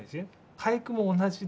俳句も同じで。